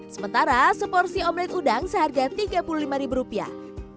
sementara seporsi omlet udang seharga tiga puluh lima rupiah